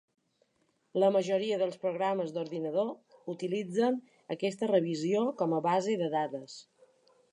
La majoria dels programes d'ordinador utilitzen aquesta revisió com a base de dades.